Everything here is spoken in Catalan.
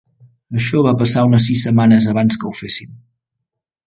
Això va passar unes sis setmanes abans que ho féssim.